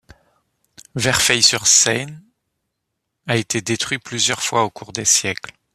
Verfeil-sur-Seye a été détruite plusieurs fois au cours des siècles.